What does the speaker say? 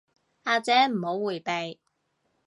阿姐唔好迴避